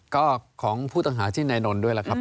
ก็ของผู้ต้องหาชื่อนายนนท์ด้วยล่ะครับ